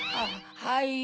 はい。